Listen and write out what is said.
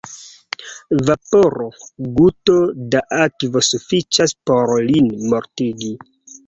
Vaporo, guto da akvo sufiĉas por lin mortigi.